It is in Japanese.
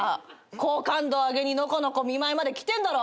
好感度上げにのこのこ見舞いまで来てんだろ。